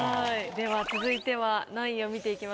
では続いては何位を見ていきますか？